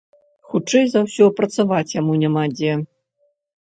Хутчэй за ўсё, працаваць яму няма дзе.